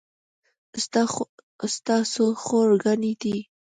ستا څو خور ګانې دي